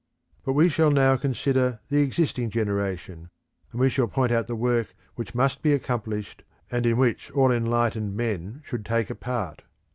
But we shall now consider the existing generation, and we shall point out the work which must be accomplished, and in which all enlightened men should take a part.